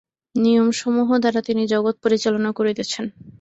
নিয়মসমূহ দ্বারা তিনি জগৎ পরিচালনা করিতেছেন।